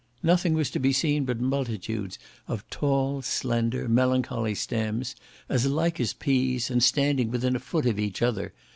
Nothing was to be seen but multitudes of tall, slender, melancholy stems, as like as peas, and standing within a foot of each other.